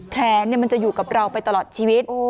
แขนมันจะอยู่กับเราไปตลอดชีวิต